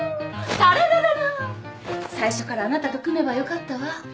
最初からあなたと組めばよかったわ。